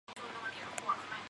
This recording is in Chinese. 直属大总主教。